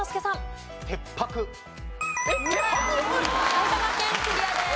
埼玉県クリアです。